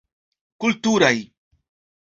Kulturaj.